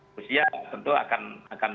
rusia tentu akan